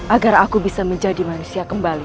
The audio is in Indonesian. agar aku bisa menjadi manusia kembali